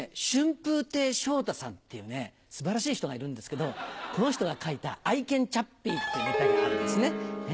春風亭昇太さんっていうね素晴らしい人がいるんですけどこの人が書いた『愛犬チャッピー』っていうネタがあるんですね。